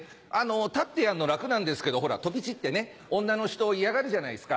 立ってやるの楽なんですけどほら飛び散ってね女の人嫌がるじゃないですか。